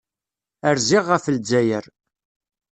Rziɣ ɣef Lezzayer.